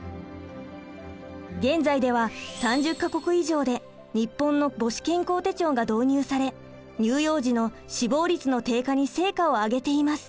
現在では３０か国以上で日本の母子健康手帳が導入され乳幼児の死亡率の低下に成果を上げています。